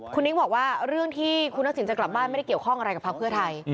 คุณนิ๊งบอกว่าเรื่องที่คุณศิลป์จะกลับบ้านไม่ได้เกี่ยวข้องอะไรกับภารกิจไทย